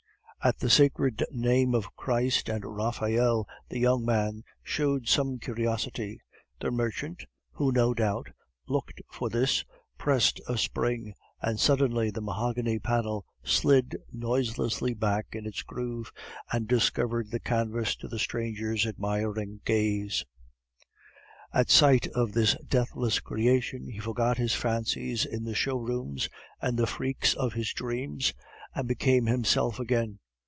At the sacred names of Christ and Raphael the young man showed some curiosity. The merchant, who no doubt looked for this, pressed a spring, and suddenly the mahogany panel slid noiselessly back in its groove, and discovered the canvas to the stranger's admiring gaze. At sight of this deathless creation, he forgot his fancies in the show rooms and the freaks of his dreams, and became himself again.